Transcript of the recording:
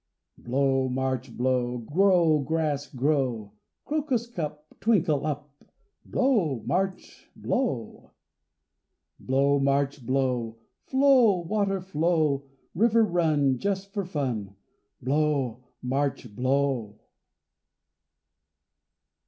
Blow, March, blow! Grow, grass, grow! Crocus cup, Twinkle up; Blow, March, blow! Blow, March, blow! Flow, water, flow! River, run, Just for fun, Blow, March, blow!